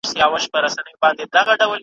د هغه مغفور روح ته دعا کوم ,